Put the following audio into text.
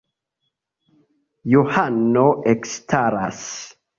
Johano ekstaras.